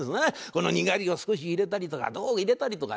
このにがりを少し入れたりとかどう入れたりとかね。